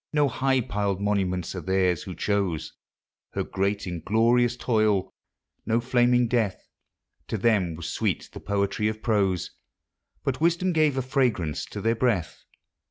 No high piled monuments are theirs who chose Her great inglorious toil—no flaming death; To them was sweet the poetry of prose, But wisdom gave a fragrance to their breath.